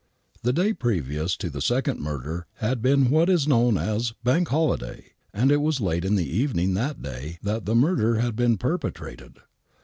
The day previous to the second murder had been what is known as " Bank Holiday " and it was late in the evening that day that the murder had been perpetrated.